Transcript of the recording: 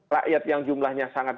rakyat yang jumlahnya sangat